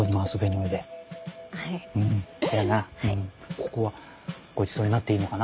ここはごちそうになっていいのかな？